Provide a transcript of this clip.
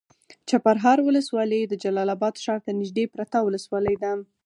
چپرهار ولسوالي د جلال اباد ښار ته نږدې پرته ولسوالي ده.